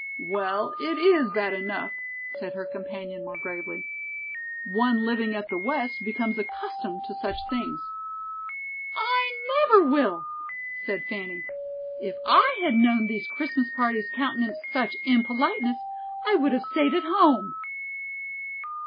"Well, it is bad enough," said her companion, more gravely. "One living at the west becomes accustomed to such things." "I never will," said Fanny. "If I had known these Christmas parties countenanced such impoliteness, I would have stayed at home."